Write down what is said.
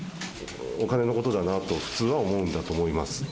お金のことだなと、普通は思うんだと思います。